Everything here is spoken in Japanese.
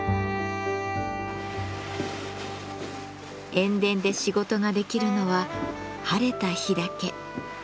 塩田で仕事ができるのは晴れた日だけ。